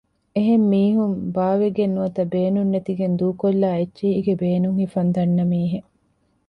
އެހެން މީހުން ބައުވެގެން ނުވަތަ ބޭނުން ނެތިގެން ދޫކޮށްލާ އެއްޗެހީގެ ބޭނުން ހިފަން ދަންނަ މީހެއް